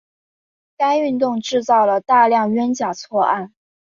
该运动制造了大量冤假错案。